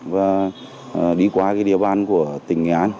và đi qua địa bàn của tỉnh nghệ an